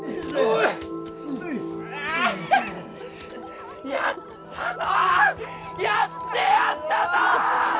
やってやったぞ！